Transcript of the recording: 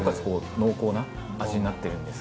濃厚な味になってるんです。